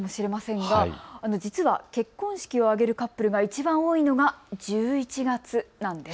実は結婚式を挙げるカップルがいちばん多いのが１１月なんです。